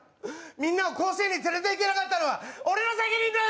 みんなを甲子園に連れていけなかったのは俺の責任です！